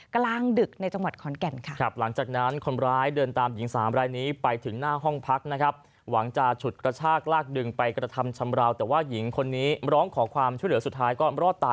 กลางดึกในจังหวัดขอนแก่นค่ะ